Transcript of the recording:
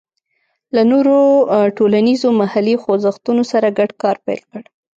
له نورو ټولنیزو محلي خوځښتونو سره ګډ کار پیل کړ.